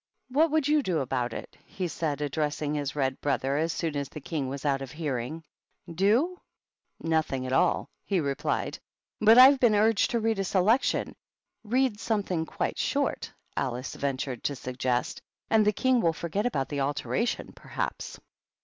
" What would you do about it ?" he said, ad dressing his Red brother, as soon as the King was out of hearing. " Do ? Nothing at all," he replied. "But I've been urged to read a Selection." " Read something quite short," Alice ventured to suggest, "and the King will forget about the alteration, perhaps."